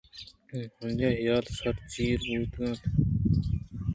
آئیءِحیال سر ءُچیر بوتگ اِت اَنت